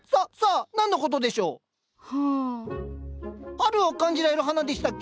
春を感じられる花でしたっけ？